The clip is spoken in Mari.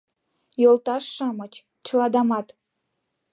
Йолташ-шамыч, чыладамат